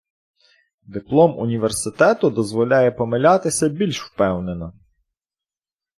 Диплом університету дозволяє помилятися більш впевнено.